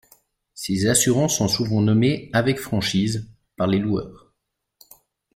Ces assurances sont souvent nommées “avec franchise” par les loueurs.